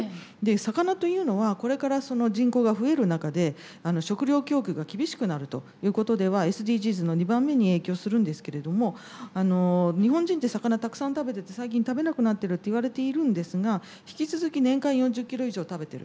魚というのはこれから人口が増える中で食糧供給が厳しくなるということではＳＤＧｓの２番目に影響するんですけれども日本人って魚たくさん食べてて最近食べなくなってるっていわれているんですが引き続き年間４０キロ以上食べてる。